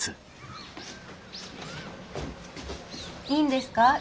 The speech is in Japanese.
いいんですか？